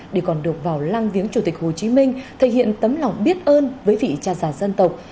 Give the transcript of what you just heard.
để còn được vào lăng viếng chủ tịch hồ chí minh thể hiện tấm lòng biết ơn với vị cha già dân tộc